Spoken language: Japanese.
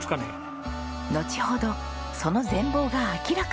のちほどその全貌が明らかに。